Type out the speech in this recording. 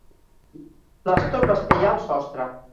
Les tombes que hi ha al sostre.